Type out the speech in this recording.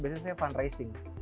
biasanya saya fundraising